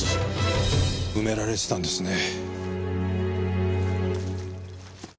埋められてたんですね。